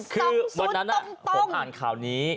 คือวันนั้นผมอ่านข่าวนี้